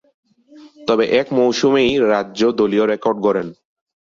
তবে, এক মৌসুমেই রাজ্য দলীয় রেকর্ড গড়েন।